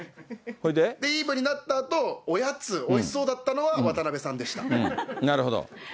で、イーブンになったあと、おやつ、おいしそうだったのは渡辺さなるほど。